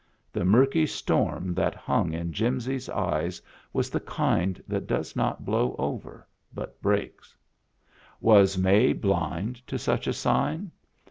The murky storm that hung in Jimsy's eyes was the kind that does not blow over, but breaks. Was May blind to such a sign